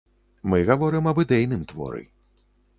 Мы гаворым аб ідэйным творы.